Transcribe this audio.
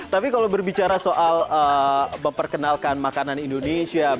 tapi kalau berbicara soal memperkenalkan makanan indonesia